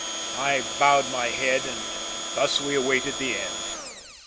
I bowed my head and thus we awaited the end.